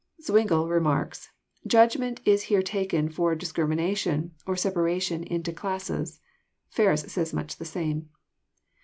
Zwingle remarks :*< Judgment is here taken for discrimina tion, or separation into classes." Ferus says much the same.